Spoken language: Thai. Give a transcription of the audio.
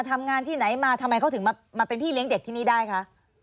ทำงานที่ไหนมาทำไมเขาถึงมาเป็นพี่เลี้ยงเด็กที่นี่ได้คะ